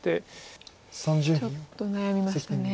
ちょっと悩みましたね。